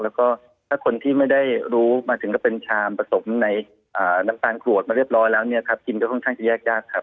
แล้วก็ถ้าคนที่ไม่ได้รู้มาถึงก็เป็นชามผสมในน้ำตาลขวดมาเรียบร้อยแล้วเนี่ยครับกินก็ค่อนข้างจะแยกยากครับ